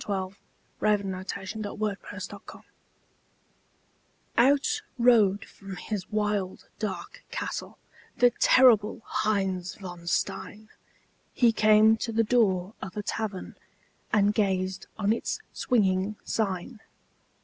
_ THE LEGEND OF HEINZ VON STEIN Out rode from his wild, dark castle The terrible Heinz von Stein; He came to the door of a tavern And gazed on its swinging sign.